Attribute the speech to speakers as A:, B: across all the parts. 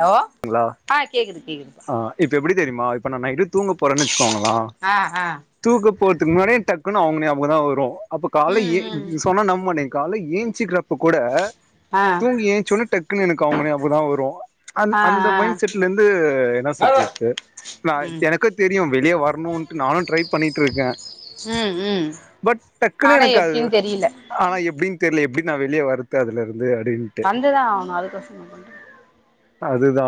A: hello
B: ங்களா
A: ஆ கேக்குது கேக்குதுப்பா
B: ஆ இப்ப எப்டி தெரிமா இப்ப நா நைட்டு தூங்க போறன் வச்சுக்கோங்களா
A: அ அ
B: தூக்கு போற்துக்கு முன்னாடியே டக்குனு அவ்ங்க நியாபகோ தா வரு அப்ப கால்ல
A: ம்
B: ஏ
A: ம்
B: சொன்னா நம்மாட்டிங்க கால்லே ஏஞ்சிக்கிறப்ப கூட
A: ஆ
B: தூங்கி ஏஞ்சோன டக்குனு எனக்கு அவங்க நியாபகோ தா வரு அந்
A: ஆ
B: அந்த
A: ஆ
B: மைண்ட் செட்ல இந்து என்ன சொல்றது நா
A: ம்
B: எனக்கு தெரியு வெளிய வரணுன்ட்டு நானு ட்ரை பண்ணிட்ருக்க
A: ம் ம்
B: பட் டக்குனு
A: ஆனா
B: எனக்கு அது
A: எப்டின்னு தெரியல
B: ஆனா எப்டின் தெர்ல எப்டி நா வெளிய வரது அதுல இருந்து அப்டின்
A: இதுதா நாலு பசங்க [unintelligible]
B: அதுதா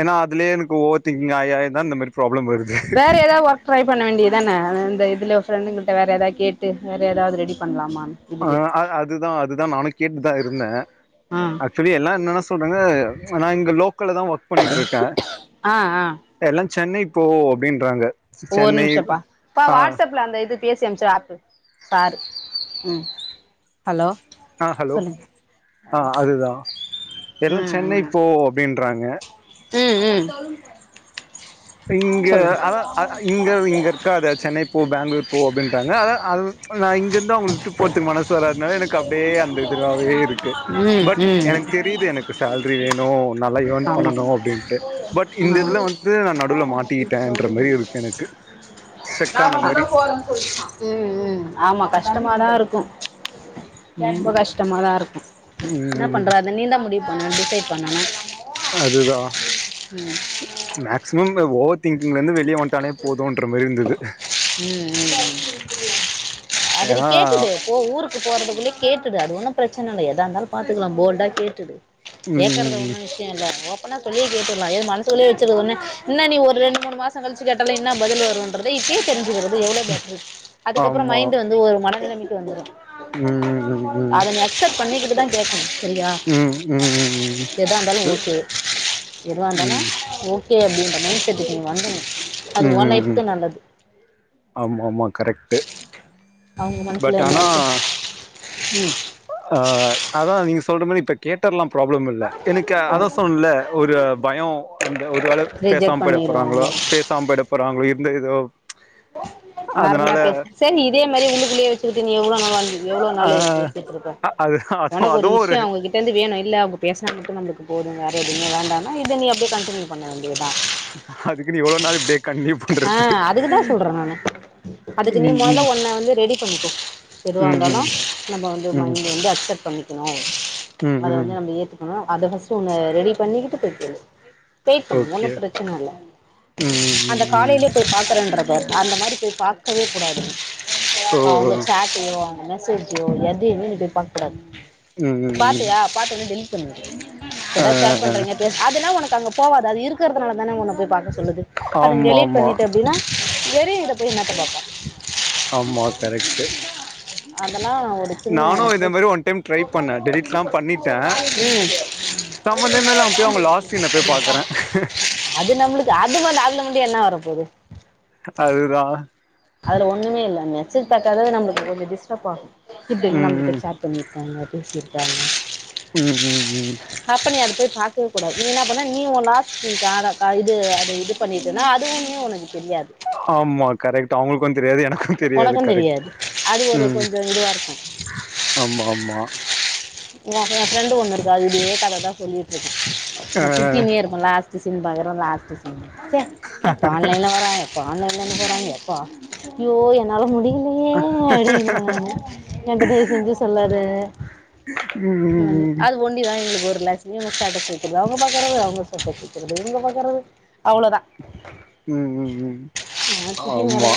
B: ஏனா அதுலயே எனக்கு ஓவர் திங்கிங் ஆயி ஆயிதா இந்த மாரி ப்ராப்ளம் வருது
A: வேற எதாவு ஒர்க் ட்ரை பண்ண வேண்டியதான இந்த இதுல ஃப்ரெண்டுகிட்ட வேற ஏதாது கேட்டு வேற ஏதாது ரெடி பண்லாமானு
B: ஆ ஆ அதுதா அதுதா நானு கேட்டுதா இருந்த
A: ஆ
B: சொரிய எல்லா என்னன்ன சொல்றாங்க நா இங்க லோக்கல்ல தா ஒர்க் பண்ணிட்ருக்க
A: ஆ ஆ
B: எல்லா சென்னை போ அப்டின்றாங்க
A: ஒரு
B: சென்னை
A: நிம்ஷம்பா கா
B: ஆ
A: வாட்ஸ்அப்ல அந்த இது பேசி அம்ச்ச ஆப்பு சாரு ம் ஹலோ
B: ஆ ஹலோ
A: சொல்லுங்க
B: ஆ அதுதா எல்லா
A: ம்
B: சென்னை
A: ம்
B: போ அப்டின்றாங்க
A: ம் ம்
B: இங்க
A: சொல்லுங்க
B: அதா அதா இங்க இங்க இருக்காத சென்னை போ பங்ளூர் போ அப்டின்றாங்க அனா அது நா இங்க இருந்தா அவுங்களுக்கு விட்டு போறதுக்கு மனசு வராத்னால எனக்கு அப்டியே அந்த இது ராவே இருக்கு
A: ம்
B: பட்
A: ம்
B: எனக்கு தெரியுது எனக்கு சேல்ரி வேணு நல்லா யேன்
A: ஆமா
B: பண்ணனு அப்டின்ட்டு பட்
A: ஆ
B: இந்த இதுல வந்து ந டுல மாட்டிக்கிட்டன்ற மாரி இருக்கு எனக்கு செக்கான மாரி
A: கொரங்கு போச்சா ம் ம் ஆமா கஷ்டமாதா இருக்கு ரொம்ப கஷ்டமா தா இருக்கு என்ன
B: ம்
A: பண்ற அத நீந் தா முடிவு பண்ணணு டிசைட் பண்ணணு
B: அதுதா
A: ம்
B: மேக்சிமம் ஓவர் திங்கிங்லந்து வெளிய வன்ட்டாலே போதுன்ற மாரி இருந்தது
A: ம் ம் அத நீ
B: ஏன்னா
A: கேட்டூடு இப்ப ஊருக் கு போறதுக்குள்ள கேட்டுடு அது ஒன்னு பிரச்சன இல்ல ஏதா இந்தாலு பாத்துக்லா போல்டா கேட்டுடு கேக்கறது
B: ம்
A: ஒன்னு சன இல்ல ஓப்பனா சொல்லியே கேட்டர்லா ஏது மனசுகுள்யே வச்சது ஒன்னு இன்ன நீ ஒரு ரெண்டு மூண் மாசோ கழிச்சி கேட்டாலு என்னா பதிலு வருன் இப்பேயே தெரிஞ்சிக்கிறது எவ்ளோ பெட்டர் அதுக்கப்றோ
B: ஆமா
A: மைண்ட் வந்து ஒரு மன நெலமைக்கு வந்துரு
B: ம் ம் ம்
A: அத நீ அக்சப்ட் பண்ணிக்கிட்டு தா கேக்கனு செரியா
B: ம் ம் ம்
A: எதாந்தாலு ஓகே எதுவாந்தாலு
B: ம்
A: ஓ கே அப்டின்றத மைண்ட் செட்டுக்கு நீ வந்துர்னு
B: ம் ம் ம் ஆமா ஆமா கரெக்ட்டு
A: அவுங்க மனசுல என்ன இருக்கு ம்
B: ஆ அதா நீங்க சொல்ற மாரி இப்ப கேட்டர்லா ப்ராப்ளம் இல்ல எனக்கு
A: ஆ
B: அதா சொன்ல்ல ஒரு பயோ அந்த ஒரு அளவு
A: ரிஜெக்ட்
B: பேசாம போய்ட
A: பண்ணிடுவாங்க
B: போறாங்களோ பேசாம போய்ட போறாங்களோ இருந்தது எதோ
A: வேற மார் பேசு செரி இதே மாரி உள்ளுக்குள்ளேயே வச்சுக்கிட்டு நீ எவ்ளோ நாள் வாழ்ந்துடு எவ்ளோ
B: ஆ
A: நாளு பேசிட்ருப்ப
B: அது அது
A: ஒனக்கு ஒரு
B: அதுவு
A: விஷ்யோ அவுங்க கிட் டர்ந்து வேனு இல்ல அவுங்க பேசாமருக்கறது நம்ளுக்கு போது வேற எதுமே வேண்டனா இத நீ அப்டியே கன்டினியூ பண்ண வேண்டியத்தா
B: அதுக்குனு இவ்ளோ நாள் இப்டியே கண்டினியூ
A: ஆ
B: பண்றது
A: அதுக்கு தா சொல்ற நானு அதுக்கு நீ
B: ம்
A: மொத
B: ம்
A: உன்ன வந்து ரெடி
B: ம்
A: எதுவாந்தாலு
B: ம்
A: நம்ப வந்து
B: ம்
A: மைண்ட வந்து அக்சப்ட் பண்ணிக்கணு
B: ம்
A: அத
B: ம்
A: வந்து நம்ப ஏத்துக்கனு அத ஃபஸ்ட் உன்ன ரெடி பண்ணிக்கிட்டு போய் சொல்லு வெயிட் பண்ணு
B: ஓகே
A: ஒன்னு பிரச்சன இல்ல
B: ம் ம் ம்
A: காலையிலயே போய் பாக்குறன்ற பாரு அந்த மாரி போய் பாக்கவே கூடாது
B: ஓ
A: அவுங்க ஸ்டடையோ அந்த மெசேஜ்யோ எதையுமே நீ போய் பாக்க கூடாத்
B: ம் ம் ம்
A: பாத்தியா பாத்த ஒட்னே டெலிட் பண்ணிவிடு
B: ஆ
A: ஏதாது ஷேர் பண்றீங்க நேத்து அதுலா உனக்கு அங்க போவாது அது இருக்றதுனால தான உனக்கு பாக்க சொல்லுது அது
B: ஆமா
A: டெலீட்
B: ஆமா
A: பண்ணிட்ட அப்டினா வெரு இத போய் என்னாத்த பாப்ப
B: ஆமா கரெக்ட்டு
A: அதெல்லா ஒரு சின்ன
B: இதே மாரி
A: ட்ரிக்ஸ்
B: ஒன் டைம் ட்ரை பண்ணே டெலிட்லா பண்ணிட்டே
A: ம்
B: சம்மந்தமே இல்லாம் போய் அவங்க லாஸ்ட் சீன போய் பாக்கற
A: அது நம்முளுக்கு அது வந்து அதுல வந்து என்ன வர போது
B: அதுதா
A: அதல ஒன்னுமே இல்ல மெசேஜ் பாக்காத நம்மளுக்கு கொஞ்சோ டிஸ்டப் ஆகு இப்டியெல்லா
B: ம்
A: நம்ம கிட்ட
B: ம்
A: சேர் பண்ணிர்க்காங்க பேசிர்க்காங்க
B: ம் ம் ம்
A: அப்ப நீ அத போய் பாக்கவே கூடாது நீ என்னா பண்ண நீ ஓ லாஸ் இந்த ஆதார்க்கா இது அது இது பண்ணிதுன்னா அதுவுமே ஒனக்கு தெரியாது
B: ஆம்மா கரெக்ட் அவங்களுக்கு தெரியாது எனக்கு தெரியாது
A: உனக்கும்
B: கரெக்ட்
A: அது ஒரு
B: ம்
A: கொஞ்சம் இதுவாக இருக்கும்
B: ஆம்மா ஆம்மா
A: என் ப்ரெண்டு ஒண்ணுருக்கு அது இதே கததான் சொல்லிட் ருக்கு நா
B: ஆ
A: திட்டின்னே இருப்பே லாஸ் சி சின் பகரொ லாஸ்ட்டு சீனு ச்ச கப்பா ஆன்லைனல வர ப்ப ஆன்லைன்லன்னு போறாங்க எப்ப ஆஃப் யோ என்னால முடியிலயே அப்டின்ன நானு என்ட தய்வு செஞ்சு சொல்லாத
B: ம்
A: னோனி
B: ம் ம்
A: அதுவ் ஒண்டிதா எங்ளுக் ஒரு ரிலாக்ஸ் இவுங்க ஸ்டேட்டஸ் வைக்கில்யா அவுங்க பாக்கறது அவுங்க ஸ்டேட்டஸ் வக்றது இவுங்க பாக்றது அவ்ளோதா
B: உம் உம் உம் ஆம்மா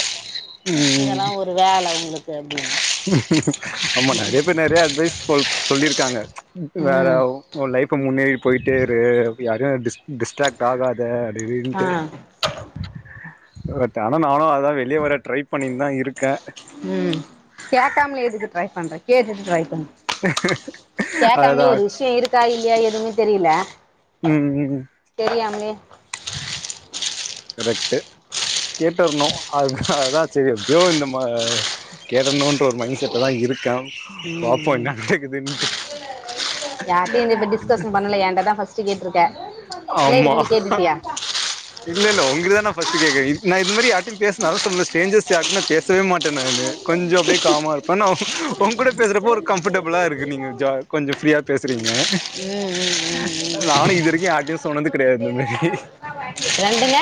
B: உம் உம்
A: வேல உங்ளுக் [unintelligible]
B: அம்மா நறைய பேர் நறைய அட்வைஸ் சொல் சொல்லிருக்காங்க வேற
A: ம்
B: ஒ லைஃப்ப முன்னேறி பொய்ட்டேரு யாரு டிஸ் டிஸ்ட்ராக்ட் ஆகாத அப்டின்டு
A: ஆ
B: பட் ஆனா நானு அதா வெளிய வர ட்ரை பண்ணின் தா இருக்க
A: ம் கேக்காம்லே ஏதுக்கு ட்ரை பண்ற கேட்டுட்டு ட்ரை பண்ணு கேக்காம்லே
B: அதுதா
A: ஒரு விஷ்யோ இருக்கா இல்யா எதுமே தெரில
B: ம் ம்
A: தெரியாம்லே
B: கரெக்டு கேட்டர்ணு அ அதா செரி எப்டியோ இந்த ம கேட்டர்ணுன்ற ஒரு மைண்ட் செட்ட தா இருக்க பாப்போ என்ன நடக்குதுன்ட்டு
A: யார்டியு இந்த ப்ப டிஸ்கஷன் பண்ணல என்டதா ஃபர்ஸ்ட்டு கேட்ருக்க இல்ல இதுக்
B: ஆமா
A: முந்தி கேட்டிட்பியா
B: இல்ல இல்ல ஒங்ளுதா நா ஃபஸ்ட்டு கேக்க நா இந்த மாரி யார்டியு பேஸ்னா அத சொல்ற ஸ்டேஜர்ஸ் யார்டயு நா பேசவே மாட்ட நானு கொஞ்சொ அப்டே காம்மா இருப்ப நா ஒங்கூட பேசுறப்ப ஒரு கம்ஃபடப்புள்ளா இருக்கு நீங்க ஜா கொஞ்சொ ஃப்ரீயா பேசுறீங்க
A: ம் ம் ம் ம்
B: நானு இதுவரைக்கு யார்டையும் சொன்னது கடையாது இந்த மாரி
A: ரெண்டுங்க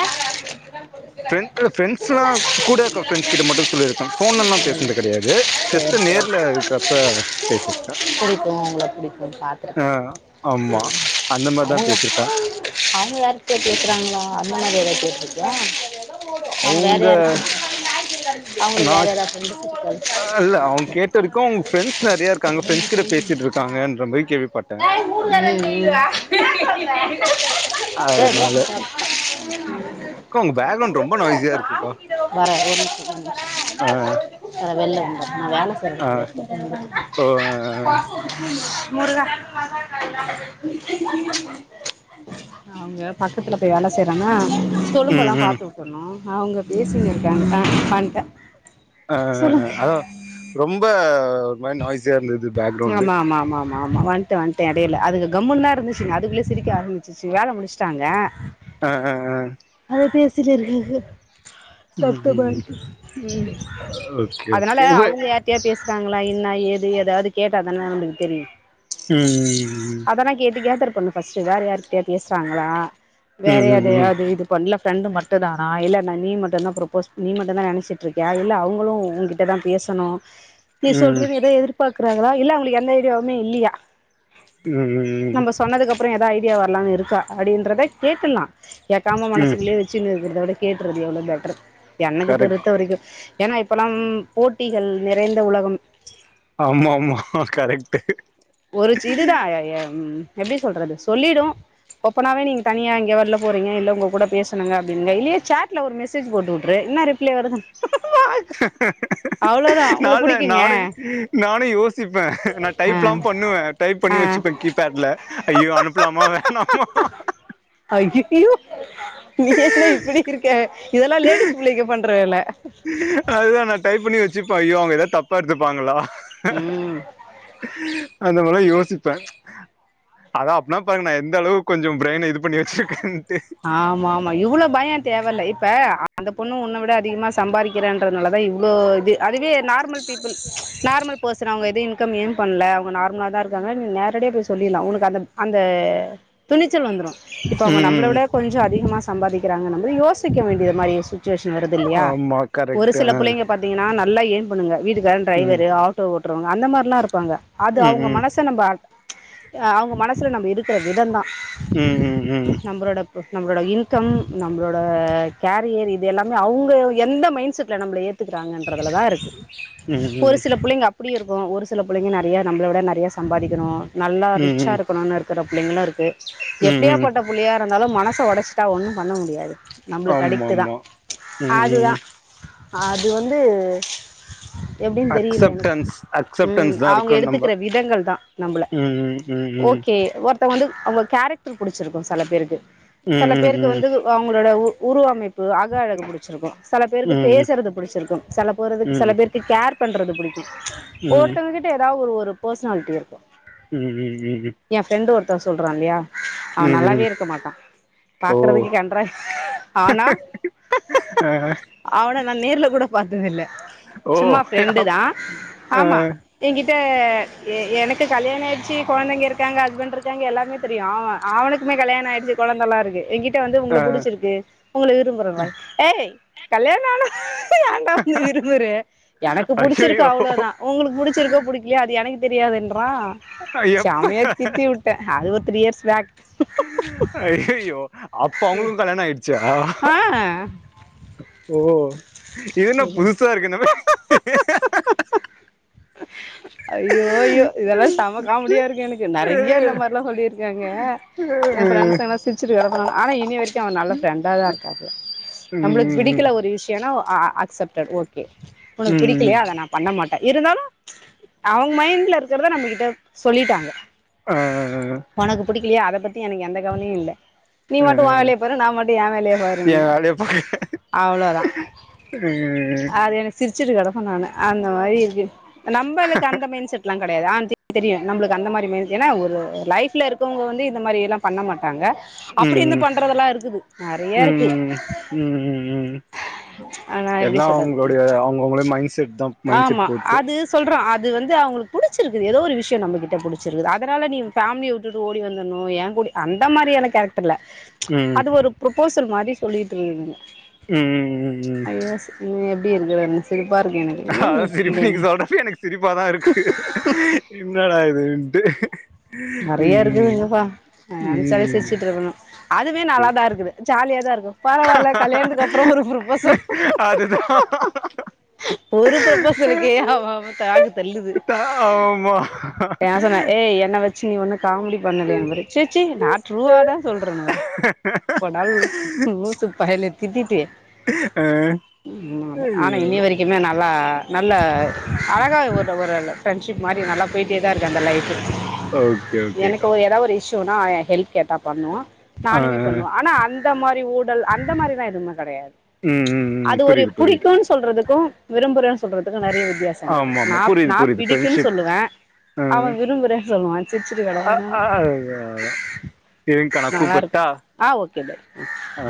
B: பிரண் ட்டு பிரெண்ட்ஸ்ல்லா கூட இருக்க பிரெண்டஸ் கிட்ட மட்டு சொல்லிருக்க ஃபோன்ல்லா பேசுன்து கெடையாது
A: சேரி
B: ஜஸ்ட்டு
A: சேரி
B: நேர்ல இர்க்றப்ப பேசிர்க்கா
A: புடிக்கு உங்ள புடிக்கு பாத்துருக்க
B: ஆமா அந்த மாரிதா
A: அவுங்க
B: பேசிருக்கே
A: அவுங்க யார்டியா பேசுறாங்ளா அந்த மாரி எதா கேட்ருக்யா
B: அவுங்க
A: அவங்களுக்கு
B: நா
A: வேற ஏதாவது ஃப்ரெண்ட்ஸ் இருக்காது
B: அ இல்ல அவுங்
A: சரி
B: கேட்ருக்கு ஃபிரெண்ட்ஸ் நற்யஇர் காங்க ஃரெண்ட்ஸ் கிட்ட பேசிட் ருக்காகன்ற மாரி கேள்விப்பட்ட
A: ம் ம்
B: அதனால அக்கா உங்க பேக்ரவுண்ட் ரொம்ப நாய்ஸியா இருக்குக்கா
A: வர ஒரு நிம்ஷ நிம்
B: ஆ
A: அத வெள்ள வந்துர்ர நா வேல செய்ற
B: ஆ
A: எடத்துல
B: ஓ
A: [inaudible] முருகா [inaudible] அவுங்க பக்கத்ல போய் வேல செய்றனா
B: ம்
A: தொலும்பல்லா
B: ம்
A: பாத்து வுட்டுன்ணு அவுங்க பேசின் இருக்காங்க அ பன்ட்ட
B: அ அ அதா ரொம்ப ஒரு மாரி நாய்ஸியா இருந்தது பேக்
A: ம் அம்மா அம்மா அம்மா அம் ஆம்மா வண்டெ வண்டே எடைல அதுங்க கம்முன்னுதா இருந்துச்சிங்க அதுக்குள்ள சிரிக்க ஆரம்பிச்சுருச்சி வேல முடிச்டாங்க
B: அ அ அ
A: அத பேசிட்டு இருக்கிங்க சோ
B: ம்
A: இப்பதா
B: ம்
A: ம்
B: ஓகே
A: அதனால
B: ஓகே இவ
A: அவுங்க யார் தியா பேசுறாங்ளா என்னா ஏது எதாது கேட்டாதான நம்பளுக் தெரியு
B: ம் ம்
A: அதனா கேட்டு கேதர் பண்ணு ஃபஸ்ட்டு வேற் யார்கிட்டயாது பேஸ்றாங்ளா வேற
B: ம் ம்
A: எதயாது இது இப்ப ஒன்ல ஃப்ரெண்டு மட்டு தானா இல்லன நீ மட்டு் தா புரப்போஸ் நீ மட்டு தா நனச்சிட் இருக்கியா இல்ல அவுங்ளு உங்கிட்ட தா பேசணு நீ
B: ம்
A: சொல்றது எது எதிர்பாக்குறாங்ளா இல்ல அவுங்ளுக் எந்த ஐடியாவுமே இல்லியா
B: ம் ம்
A: நம்ப சொன்னதுக்கப்றோ எதா ஐடியா வர்லான் இருக்கா அப்டின்றத கேட்டுர்லா எட் தாம
B: ம்
A: மனசுக்குள்ளே வச்சின் இருக்றத விட கேட்டுறது எவ்ளோ பெட்டர் என்னக்
B: கரெக்ட்
A: பொருத்த வரைக்கு ஏன்னா இப்பல்லாம் போட்டிகள் நிறைந்த உலகம்
B: ஆமா ஆமா கரெக்ட்டு
A: ஒரு சி இதுதா எப்படி சொல்றது சொல்லிடு ஒப்பனாவே நீங்க தனியா இங்கியோ வரல போறீங்க இல்ல உங்க கூட பேசனுங்க அப்டின்ங்க இல்லய சாட்ல ஒரு மெசேஜ் போட்டு உற்று இன்னாரு கீழ இறங்
B: [inaudible] நாளு நானு நானு யோசிப்பே நா
A: ஆ
B: டைப்பல்லா பண் ணுவே டைப்
A: ஆ
B: பண்ணி வச்சுப்பே கீப்பேட்ல ஐயோ அனுப்பலாமா வேணாமா
A: அய்யயோ நீ என்ன இப்படி இருக்க இதெல்லா லேடிஸ் பிள்ளைக பண்ற வேல
B: அதுதா நா டைப் பண்ணி வச்சுப்ப ஐயோ அவங்க எதாவது தப்பா எடுத்துப்பாங்களா
A: ம்
B: அந்த மார்லா யோசிப்பே அதா அப்னா பாருங்க நா எந்த அளவுக் கொஞ்சம் பிரெயின இது பண்ணி வச்சிருக்கேன்ட்டு
A: ஆமா ஆமா இவ்வளோ பய தேவ இல்ல இப்ப அந்த பொண்ணு உன்ன விட அதிகமா சம்பாரிக் கிறன்றனால தா இவ்ளோ இது அதுவே நார்மல் பீபிள் நார்மல் பர்சன் அவங்க எதயு க்கம் ஏன் பண்ல அவங்க நார்மலா தா இருக்காங்க நீ நேரடியே போய் சொல்லிற்லா உனக்கு அந்த அந்த துணிச்சல் வந்துரு இப்ப அவங்க நம்பள
B: ம் ம்
A: விட கொஞ்சோ அதிகமா சம்பாறிக்கிறாங்கனப்போ யோசிக்க வேண்டியது மாரி சு ச்சுவேஷன் வருது இல்லையா
B: ஆமா
A: ஒரு
B: கரெக்ட்
A: சில
B: ஆ
A: புள்ளைங்க பாத்தீங்கன்னா நல்லா ஏன் பண்ணுங்க வீட்டுக்காரன்
B: ம்
A: டிரைவர் ஆட்டோ ஓட்டுறவங்க அந்த மார்ல்லா இருப்பாங்க அது
B: ம்
A: அவங்க
B: ம்
A: மனச நம்ப அவங்க மனசுல நம்ப இருக்கிற விதந்தா
B: ம் ம் ம் ம்
A: நம்பளோட நம்மளோட இன்கம் நம்மளோட கேரியர் இது எல்லாமே அவங்க எந்த மைண்ட் செட்ல நம்பள ஏத் துக்கிறாங்கன்றதுல தா இருக்கு
B: ம்
A: ஒரு சில புள்ளைங்க அப் புடியு இருக்கு ஒரு சில புள்ளைங்க நறையா நம்மள விட நறையா சம்பாதிக்கணு நல்லா ரிச்சா
B: ம் ம்
A: இருக்கணுன் இரு க்கற பிள்ளைங்களு இருக்கு
B: ம்
A: எப்படியா
B: ம்
A: பட்ட புள்ளையா இருந்தாலு மனச ஒடஸ்ட்டா ஒண்ணு பண்ண முடியாது நம்பளுக்
B: ஆமா
A: அடிட்டு தா
B: ஆமா ம்
A: அதுதா
B: ம்
A: அது வந்து எப்டின் தெரியல எனக்கு
B: அக்செப்டன்ஸ்
A: ம்
B: அக்செப்டன்ஸ் தா
A: அவங்க
B: இருக்கணு நம்ப
A: எடுத்துக்கிற விதங்கள் தா நம்மள
B: ம் ம் ம்
A: ஓகே கே ஒருத்த வந்து அவங்க கேரக்டர் புடிச்சிருக்கு செல பேருக்கு
B: ம் ம்
A: செல
B: ம் ம் ம் ம் ம் ம்
A: பேருக்கு வந்து எ அவங்களோட உரு உருவ அமைப்பு அக அழக புடு ச்சிருக்கு செல பேருக்கு பேசுறது பிடிச்சிருக்கு செல பேருக்கு செல பேர்க்கு கேர் பண்றது புடிக்கு ஒருத்தங் கிட்ட எதாவது ஒரு பர்சனால்ட்டி இருக்கு
B: ம் ம் ம் ம்
A: என் ஃப்ரெண்டு ஒருத்தர் சொல்றா இல்லையா அவ
B: ம் ம் ம்
A: நல்லாவே இருக்க மாட்டா
B: ஓ
A: பாக்றதுக்கு கண்றா ஆனா
B: ஆ
A: அவன நா நேர்ல கூட பாத்ததேல்ல
B: ஓ
A: சும்மா ஃப்ரெண்டு தான்
B: ஆ
A: ஆமா என்கிட்ட எ எனக்கு கல்யாணம் ஆயடுச்சு கொழந்தைங்க இருக்காங்க ஹஸ்பண்ட் இருக்காங்க எல்லாமே தெ ரியு அவன் அவனுக்குமே கல்யாணம் ஆயிடுச்சு கொழந்தைல்லாம் இருக்கு எங்கிட் ட வந்து உங்கள
B: ஆ
A: புடிச்சிருக்கு உங்கள விரும்புற நா ஏய் கல்யாணம் ஆன ஏண்டா நீ விரும்புற எனக்கு
B: ஐயையோ
A: புடிச்சிருக்கு அவ்வளோதான் உங்களுக்கு புடிச்சிருக்கோ புடிக்கலையா அது எனக்கு தெரியாதுன்றா
B: எப்ப
A: சமையா திட்டி விட்டன் அது ஒரு த்ரீ இயர்ஸ் பேக்
B: ஐயோயோ அப்ப அவுங்களுக்கு கல்யாணம் ஆயிடுச்சா
A: ஆ
B: ஓ இதுன புதுசா இருக்குனமே
A: ஐயோ ஐயோ இதெல்லாம் செம காமெடியா இருக்கு எனக் கு நிறைய இந்த மாதிரிலாம் சொல்லியிருக்காங்க என் ஃப்ரண்ட்ஸ் எல்லாம் சிரிச்சுட்டு கெட்க்காங்க ஆனா இனி வரைக் கு அவர் நல்ல ஃப்ரெண்டா தான் இருக்காப்புல நம்மளுக்கு
B: ம்
A: பிடிக்கல ஒரு விஷ யொ அ அ அக்சப்டட் ஓகே உனக்கு
B: ம்
A: பிடிக்கலையா அத நா பண்ண மாட்டேன் இருந்தாலும் அவுங்க மைண்ட்ல இருக்கிறத நம்மகிட்ட சொல்லிட்டாங்க
B: ஆ ஆ
A: உனக்கு பிடிக்கலையா அத பத்தி எனக்கு எந்த கவலையும் இல்ல நீ மட்டு ஒ
B: என்
A: வேலய பாரு நா மட்டு எ வேலய பாரும்பா அவ்ளோதா
B: அ
A: அது எனக்கு சிரிச்சுட்டு கெடப்பே நானு அந்த மாரி இருக்கு நம்மளுக்கு அந்த மெய்ன் செட்லா கெடயாது ஆனந்திக் தெரியும் நம்மளுக்கு அந்த மாரி ம ஏன்னா ஒரு லைஃப்ல இருக்கவங்க வந்து இந்த மாரியல்லா பண்ண மாட்டாங்க அப்டி இருந்து
B: ம்
A: பண்றதெல்லா இருக்கு நெறய இருக்கு
B: உம் உம் உம்
A: ஆனா எப்டி
B: எல்லா
A: சொல்றது
B: அவுங்களுடைய அவுங்க அவுங்களுக் மைண்ட் செட்தா மைண்ட்
A: ஆமா
B: செட் பொறுத்து
A: அது சொல்றோ அது வந்து அவுங்களுக்கு புடுச்சிருக்குது ஏதோ ஒரு விஷயம் நம்ம கிட்ட புடுச்சிருக்குது அதனால நீ ஃபேமிலிய வுட்டுட்டு ஓடி வந்துர்னு என் கூடே அந்த மாரியான கேரக்டர்ல
B: ம்
A: அது ஒரு ப்ரொப்போசல் மாரி சொல்லிட்டு இருந்ததுங்
B: ம் ம்
A: ஐயஸ் நீ எப்டி இருக்குறேனு சிரிப்பா இருக்கு எனக்கு
B: அ சிரிப்பு நீங்க சொல்றப்ப எனக்கு சிரிப்பா தா இருக்கு இன்னடா இதுன்ட்டு
A: நெறய
B: ம்
A: இருக்குதுங்கப்பா நெனச்சாலே
B: ம்
A: சிருச்சிட்டு இருக்கணு அதுவே
B: சரி
A: நல்லா தா இருக்குது ஜாலியா தா இருக்கும் பரவால்ல கல்யாணத்துக்கு அப்புற ஒரு ப்ரோபோசல்
B: அதுதா
A: ஒரு ப்ரோசனுக்கே அவ அவ நாக்கு தள்ளுது
B: தா ஆமா
A: ஏ சொன்ன ஏய் என்ன வச்சு நீ ஒண்ணு காமெடி பண்ணலயே பாரு சிசி நா ட்ரூவா தா சொல்றேன்வாரு போடா லூசு பயலேனு திட்டிட்டு
B: அ
A: ம் ஆனா
B: ஐயோ
A: இனி வரைக்குமே நல்லா நல்ல அழகா ஒரு ஒரு அழ ஃப்ரெண்ஷிப் மாரி நல்லா போய் டேதா இருக்கு அந்த லைஃப்
B: ஓ
A: எனக்கு ஒரு ஏதா ஒரு இஷ்யூனா அவன் ஹெல்ப் கேட்டா பண்ணுவா
B: ஆ
A: நானுமே பண்ணுவே ஆனா அந்த மாரி ஊடல் அந்த மாரி தா எதுவுமே கெடயாது
B: ம் ம் ம்
A: அது ஒரு
B: புரியுது புரியுது
A: புடிக்கு சொல்றதுக்கு விரும்புற சொல்றதுக்கு நெறய வித்தியாசங்கள்
B: ஆமா
A: இருக்கு
B: ஆமா
A: நா
B: புரியுது
A: நா
B: புரியுது
A: பிடிக்கும்னு
B: ஃப்ரெண்ட்ஷிப்
A: சொல்லுவே அவ
B: ம்
A: விரும்புறே சொல்லுவா சிருச்சுட்டு கெடப்பே
B: அ
A: நானு
B: அ அதா இருங்கா நா
A: நல்லா இருக்கு
B: கூப்பட்டா
A: ஆ ஓகே பை
B: ஆ